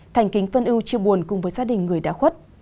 thành kính phân ưu chia buồn cùng với gia đình người đã khuất